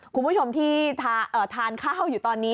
คุณผู้ชมที่ทานข้าวอยู่ตอนนี้